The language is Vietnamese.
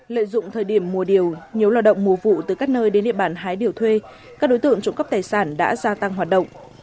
lợi dụng thời điểm mùa điều nhiều lao động mùa vụ từ các nơi đến địa bàn hái điều thuê các đối tượng trộm cắp tài sản đã gia tăng hoạt động